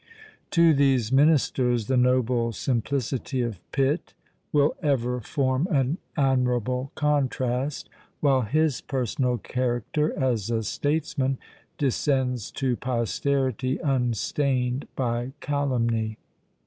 To these ministers the noble simplicity of Pitt will ever form an admirable contrast; while his personal character, as a statesman, descends to posterity unstained by calumny.